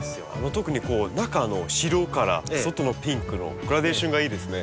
特に中の白から外のピンクのグラデーションがいいですね。